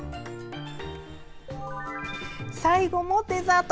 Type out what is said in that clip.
最後もデザート。